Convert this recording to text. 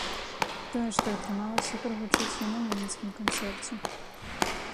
Тое, што атрымалася прагучыць ён і на мінскім канцэрце.